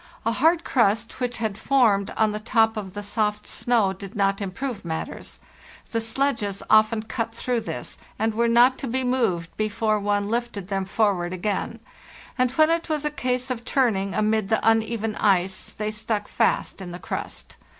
A hard crust which had formed on the top of the soft snow did not improve matters; the sledges often cut through this, and were not to be moved before one lifted them forward again, and when it was a case of turning amid the uneven ice they stuck fast in the crust.